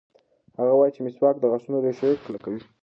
هغه وایي چې مسواک د غاښونو ریښې کلکوي.